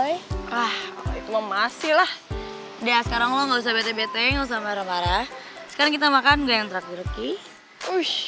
yaudah lo angkat aja siapa tau dia tuh nyesel makanya dia telponin lo terus